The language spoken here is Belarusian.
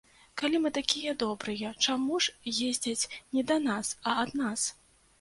Калі мы такія добрыя, чаму ж ездзяць не да нас, а ад нас?